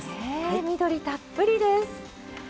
ねえ緑たっぷりです！